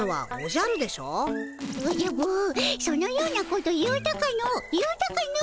おじゃぶそのようなこと言うたかの言うたかの。